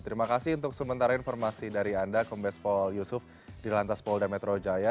terima kasih untuk sementara informasi dari anda kombes pol yusuf di lantas polda metro jaya